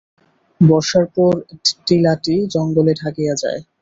বর্ষার পর টিলাটি জঙ্গলে ঢাকিয়া যায়।